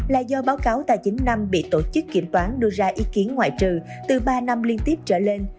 là do báo cáo tài chính năm bị tổ chức kiểm toán đưa ra ý kiến ngoại trừ từ ba năm liên tiếp trở lên